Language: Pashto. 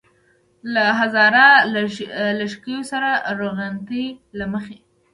له هزاره لږکیو سره روغنيتۍ له مخې.